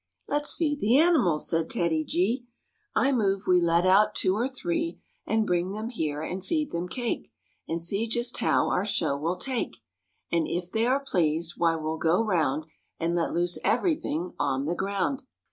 " Let's feed the animals," said TEDDY G; " I move we let out two or three And bring them here and feed them cake And see just how our show will take; And if they are pleased, why we'll go round And let loose everything on the ground."